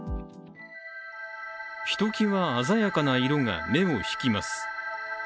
ひときわ鮮やかな色が目を引きます。